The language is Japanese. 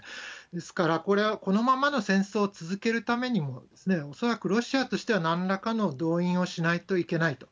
ですからこれは、このままの戦争を続けるためにも、恐らくロシアとしてはなんらかの動員をしないといけないと。